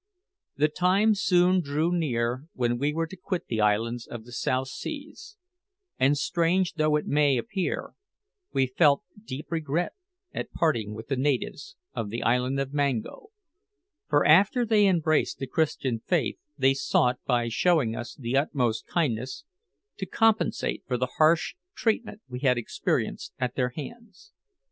The time soon drew near when we were to quit the islands of the South Seas; and strange though it may appear, we felt deep regret at parting with the natives of the island of Mango, for after they embraced the Christian faith, they sought, by showing us the utmost kindness, to compensate for the harsh treatment we had experienced at their hands.